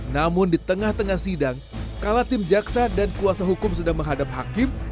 namun di tengah tengah sidang kala tim jaksa dan kuasa hukum sedang menghadap hakim